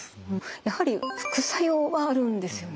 やはり副作用はあるんですよね？